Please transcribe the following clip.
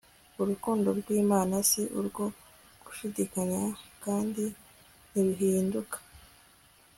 urukundo rw'imana si urwo gushidikanyaho kandi ntiruhinduka